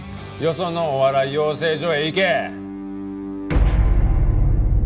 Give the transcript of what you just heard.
そのお笑い養成所へ行け！